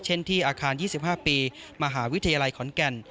เช่นที่อาคาร๒๕ปีมหาวิทยาลัยขอนแก่น